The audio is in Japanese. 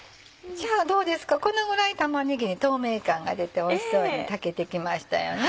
どうですかこのぐらい玉ねぎに透明感が出ておいしそうに炊けてきましたよね。